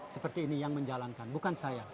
seperti ini yang menjalankan bukan saya